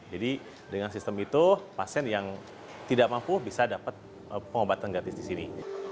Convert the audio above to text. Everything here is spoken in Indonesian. jadi dengan sistem itu pasien yang tidak mampu bisa dapat pengobatan gratis di sini